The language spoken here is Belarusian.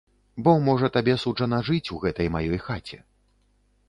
Бо можа табе суджана жыць у гэтай маёй хаце.